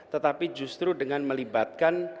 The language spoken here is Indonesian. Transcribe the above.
tetapi justru dengan melibatkan